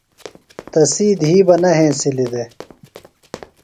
تسی دِھی بہ نہ ہینسِلیۡ دےۡ۔